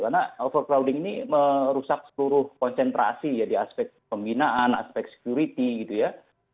karena overcrowding ini merusak seluruh konsentrasi ya di aspek pembinaan aspek security gitu ya